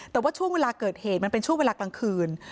แต่ว่าช่วงเวลาเกิดเหตุมันเป็นช่วงเวลากลางคืน